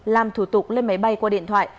làm thủ tục lên máy bay qua điện thoại